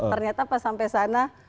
ternyata pas sampai sana